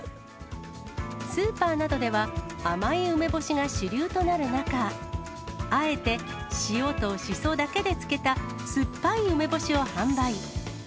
スーパーなどでは、甘い梅干しが主流となる中、あえて塩としそだけで漬けた、酸っぱい梅干しを販売。